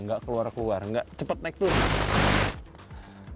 nggak keluar keluar nggak cepat naik turun